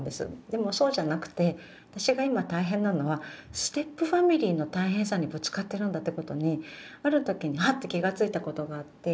でもそうじゃなくて私が今大変なのはステップファミリーの大変さにぶつかってるんだってことにある時にハッて気が付いたことがあって。